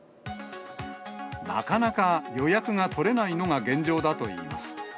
なかなか予約が取れないのが現状だといいます。